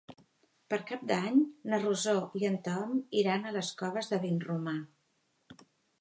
Per Cap d'Any na Rosó i en Tom iran a les Coves de Vinromà.